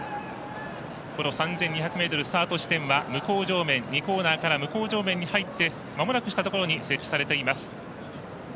この３２００ｍスタート地点は向正面、２コーナーから向正面に入ってまもなくしたところに設置されています。